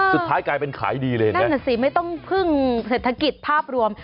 สุดท้ายกลายเป็นขายดีเลยนะนั่นน่ะสิไม่ต้องพึ่งเศรษฐกิจภาพรวม